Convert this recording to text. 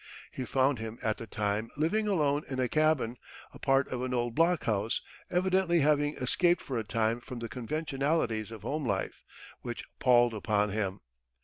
He found him at the time "living alone in a cabin, a part of an old blockhouse," evidently having escaped for a time from the conventionalities of home life, which palled upon him.